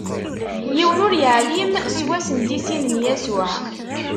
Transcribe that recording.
Yiwen ur iɛlim s wass n tisin n Yasuɛ.